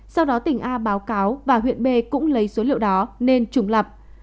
sau đó tỉnh a báo cáo và huyện b cũng lấy số liệu đó nên trùng lập